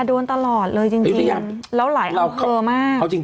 อเจมส์จะเป็นอยุธยายน่าอุตส่างตอนนี้ไหม